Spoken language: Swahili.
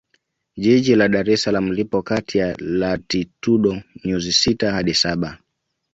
Jiji la Dar es Salaam lipo kati ya Latitudo nyuzi sita hadi saba